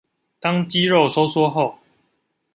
當肌肉收縮後